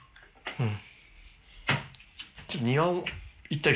うん。